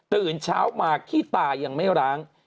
ตื่นเช้ามาขี้ตายังไม่ร้าง